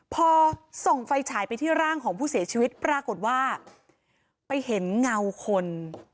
พอส่องไฟฉายไปที่ร่างของผู้เสียชีวิตปรากฏว่าไปเห็นเงาคน